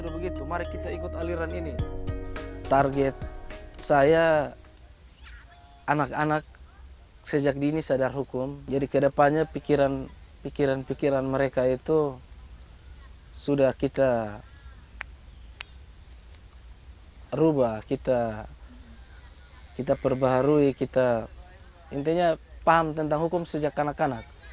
mereka mengharui kita intinya paham tentang hukum sejak kanak kanak